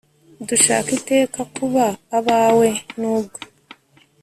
dushaka iteka kuba abawe; n'ubwo